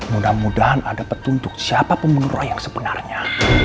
mudah mudahan ada petunjuk siapa pemenuh roy yang sebenarnya